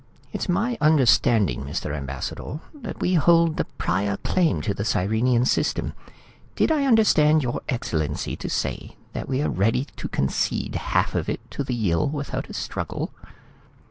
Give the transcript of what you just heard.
"It's my understanding, Mr. Ambassador, that we hold the prior claim to the Sirenian System. Did I understand your Excellency to say that we're ready to concede half of it to the Yill without a struggle?"